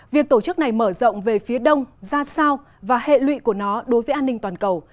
việc tổ chức này mở rộng về phía đông ra sao và hệ lụy của nó đối với an ninh toàn cầu